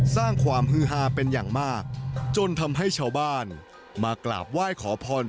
สร้างความฮือฮาเป็นอย่างมากจนทำให้ชาวบ้านมากราบไหว้ขอพร